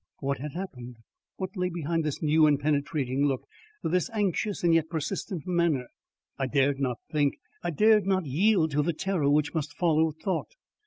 What had happened? What lay behind this new and penetrating look, this anxious and yet persistent manner? I dared not think. I dared not yield to the terror which must follow thought.